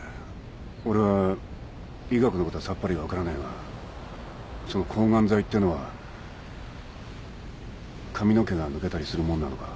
俺は医学のことはさっぱり分からねえがその抗ガン剤ってのは髪の毛が抜けたりするもんなのか？